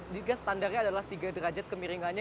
jika standarnya adalah tiga derajat kemiringannya